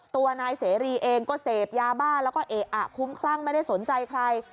ตัวนายเสรีเองก็เสพยาบ้าแล้วก็เอะอะคุ้มคลั่งไม่ได้สนใจใคร